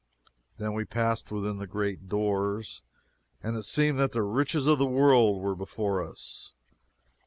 Then we passed within the great doors, and it seemed that the riches of the world were before us!